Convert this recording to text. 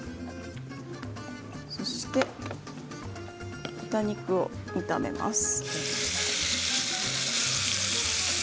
そして豚肉を炒めます。